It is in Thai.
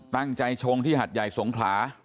ตั้งใจชงที่หัดใหญ่สงขรา